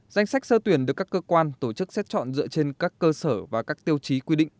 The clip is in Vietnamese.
danh sách sơ tuyển được các cơ quan tổ chức xét chọn dựa trên các cơ sở và các tiêu chí quy định